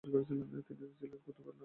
তিনি ছিলেন কুতুবুল আলম।